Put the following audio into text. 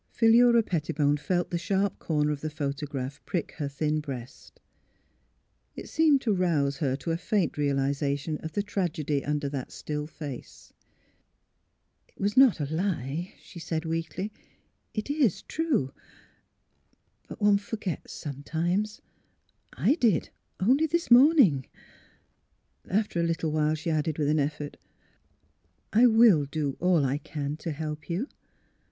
Philura Pettibone felt the sharp corner of the photograph prick her thin breast. It seemed to rouse her to a faint realisation of the tragedy under that still face. '^ It was not a lie," she said, weakly. ''It is — true. But one forgets, sometimes. I did — only this morning." After a little she added, with an effort: " I — I will do all I can to help you."